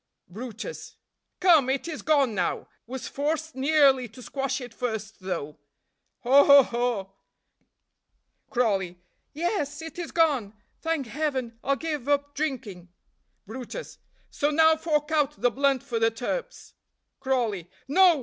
brutus. "Come, it is gone now; was forced nearly to squash it first, though, haw! haw! haw!" Crawley. "Yes, it is gone. Thank Heaven I'll give up drinking." brutus. "So now fork out the blunt for the turps." Crawley. "No!